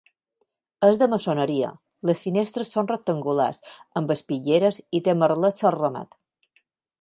És de maçoneria; les finestres són rectangulars, amb espitlleres, i té merlets al remat.